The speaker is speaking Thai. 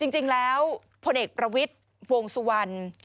จริงแล้วพลเอกประวิทย์วงสุวรรณ